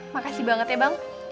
makasih banget ya bang